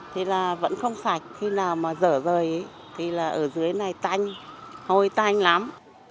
thì là vẫn không sạch khi nào mà dở rời thì là ở dưới này tanh hôi tanh lắm